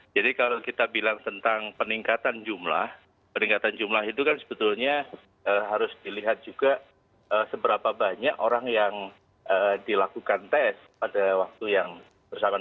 kalau kita bilang tentang peningkatan jumlah peningkatan jumlah itu kan sebetulnya harus dilihat juga seberapa banyak orang yang dilakukan tes pada waktu yang bersamaan